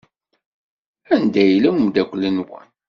Anda yella umeddakel-nwen?